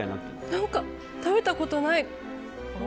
何か食べたことない。